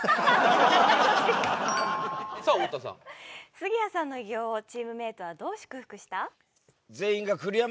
杉谷さんの偉業をチームメイトはどう祝福した？